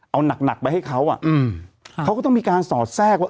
เอาหนักหนักไปให้เขาอ่ะอืมเขาก็ต้องมีการสอดแทรกว่า